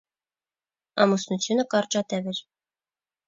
Ամուսնությունը կարճատև էր։